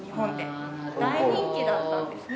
大人気だったんですね。